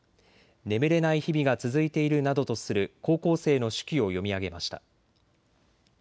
眠れない日々が続いているなどとする高校生の手記を読み上げました。